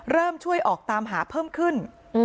เริ่มช่วยออกตามหาเพิ่มขึ้น